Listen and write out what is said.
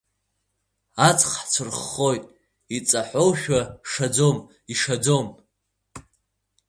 Аҵых хәцәырххоит иҵаҳәоушәа, шаӡом, ишаӡом.